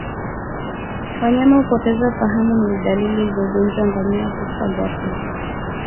Wanyama kupoteza fahamu ni dalili za ugonjwa wa ngamia kufa ghafla